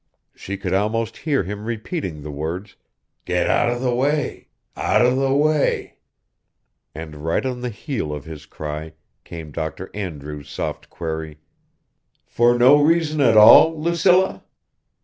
She could almost hear him repeating the words, "Get out of the way, out of the way...." And right on the heel of his cry came Dr. Andrews' soft query, "For no reason at all, Lucilla?"